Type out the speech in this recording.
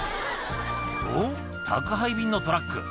「おっ宅配便のトラック